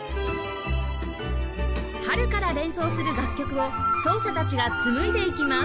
春から連想する楽曲を奏者たちが紡いでいきます